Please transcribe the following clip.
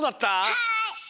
はい！